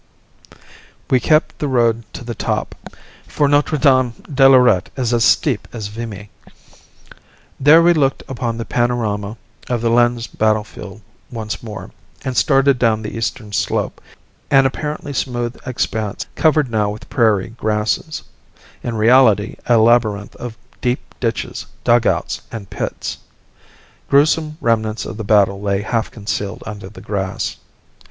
We kept the road to the top, for Notre Dame de Lorette is as steep as Vimy. There we looked upon the panorama of the Lens battle field once more, and started down the eastern slope, an apparently smooth expanse covered now with prairie grasses, in reality a labyrinth of deep ditches, dugouts, and pits; gruesome remnants of the battle lay half concealed under the grass.